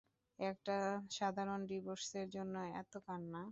একটা সাধারণ ডিভোর্সের জন্য এতো কান্না!